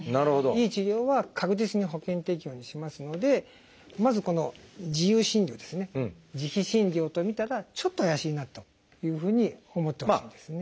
いい治療は確実に保険適用にしますのでまずこの自由診療ですね自費診療と見たらちょっと怪しいなというふうに思ってほしいんですね。